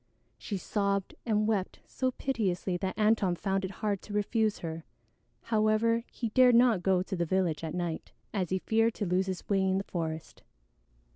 She sobbed and wept so piteously that Antone found it hard to refuse her. However, he dared not go to the village at night, as he feared to lose his way in the forest.